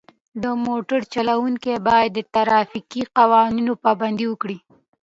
د موټر چلوونکي باید د ترافیکي قوانینو پابندي وکړي.